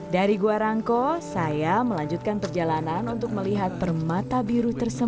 dari gua rangko saya melanjutkan perjalanan untuk melihat permata biru tersebut